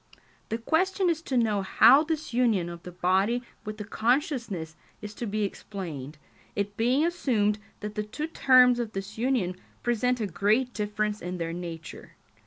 The question is to know how this union of the body with the consciousness is to be explained, it being assumed that the two terms of this union present a great difference in their nature.